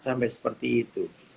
sampai seperti itu